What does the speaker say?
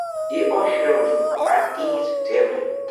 იყო შრომის პარტიის წევრი.